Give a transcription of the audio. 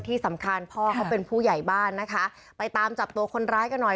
ที่สำคัญพ่อเขาเป็นผู้ใหญ่บ้านนะคะไปตามจับตัวคนร้ายกันหน่อย